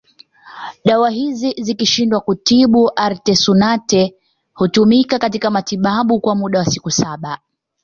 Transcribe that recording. Dawa hizi zikishindwa kutibu Artesunate hutumika katika matibabu kwa muda wa siku saba